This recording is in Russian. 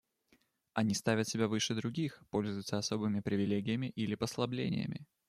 Они ставят себя выше других, пользуются особыми привилегиями или послаблениями.